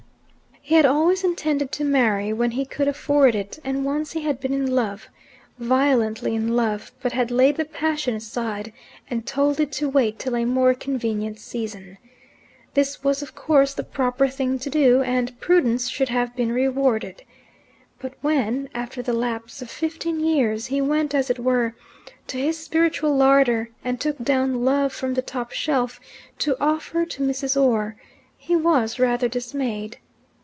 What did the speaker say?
He had always intended to marry when he could afford it; and once he had been in love, violently in love, but had laid the passion aside, and told it to wait till a more convenient season. This was, of course, the proper thing to do, and prudence should have been rewarded. But when, after the lapse of fifteen years, he went, as it were, to his spiritual larder and took down Love from the top shelf to offer him to Mrs. Orr, he was rather dismayed.